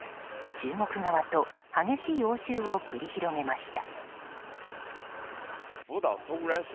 中国側と激しい応酬を繰り広げました。